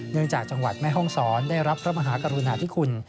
เนื่องจากจังหวัดแม่ฮ่องศรได้รับพระมหากรุณาธิคุณ